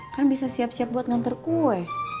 kan bisa siap siap buat nganter kue